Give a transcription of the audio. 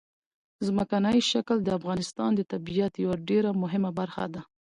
ځمکنی شکل د افغانستان د طبیعت یوه ډېره مهمه برخه ده.